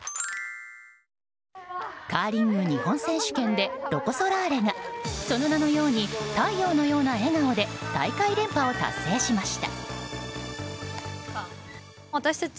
カーリング日本選手権でロコ・ソラーレがその名のように太陽のような笑顔で大会連覇を達成しました。